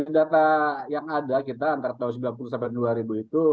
data yang ada kita antara tahun sembilan puluh sampai dua ribu itu